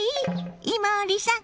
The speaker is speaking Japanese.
伊守さん